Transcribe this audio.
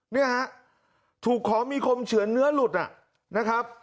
เนี่ยฮะถูกของมีคมเฉือนเนื้อหลุดนะครับ